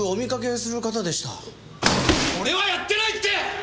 俺はやってないって！